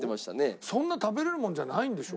そんな食べれるもんじゃないんでしょ？